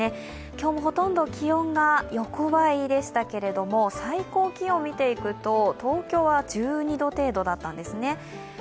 今日もほとんど気温が横ばいでしたけれども最高気温見ていくと東京は１２度程度だったんですね。